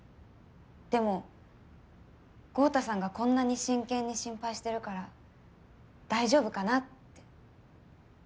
でも豪太さんがこんなに真剣に心配してるから大丈夫かなって。